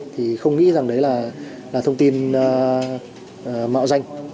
thì không nghĩ rằng đấy là thông tin mạo danh